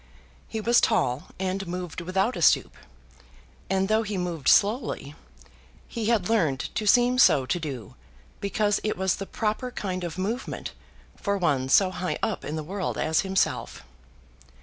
He was tall and moved without a stoop; and though he moved slowly, he had learned to seem so to do because it was the proper kind of movement for one so high up in the world as himself.